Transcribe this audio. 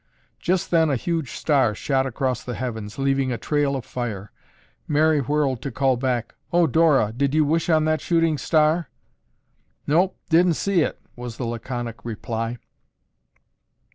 Just then a huge star shot across the heavens leaving a trail of fire. Mary whirled to call back, "Oh, Dora, did you wish on that shooting star?" "Nope! Didn't see it!" was the laconic reply.